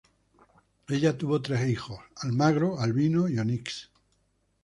Ella dio a luz a tres niños: Almagro, Albino y Onyx.